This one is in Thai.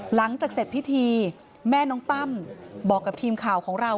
หลังจากเสร็จพิธีแม่น้องตั้มบอกกับทีมข่าวของเรา